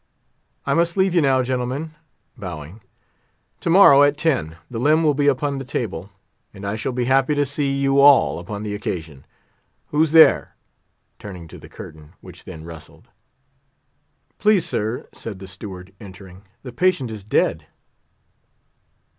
"I must leave you now, gentlemen"—bowing. "To morrow, at ten, the limb will be upon the table, and I shall be happy to see you all upon the occasion. Who's there?" turning to the curtain, which then rustled. "Please, sir," said the Steward, entering, "the patient is dead."